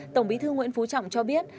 tổng bí thư nguyễn phú trọng cho biết